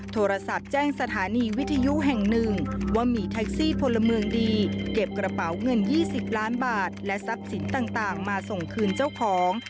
โทรศัพท์แจ้งสถานีวิทยุแห่งหนึ่งว่ามีแท็กซี่พลเมืองดีเก็บกระเป๋าเงิน๒๐ล้านบาทและทรัพย์สินต่างมาส่งคืนเจ้าของ